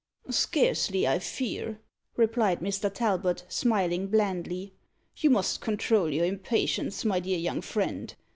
"Scarcely, I fear," replied Mr. Talbot, smiling blandly. "You must control your impatience, my dear young friend.